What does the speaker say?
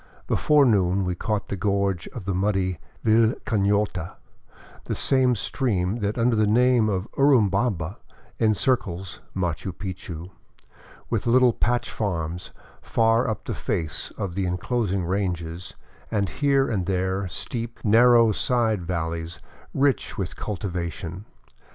Before noon we caught the gorge of the muddy Vilcanota, the same stream that under the name of Uru bamba encircles Machu Picchu, with little patch farms far up the face of the enclosing ranges and here and there steep, narrow side valleys rich with cultivation.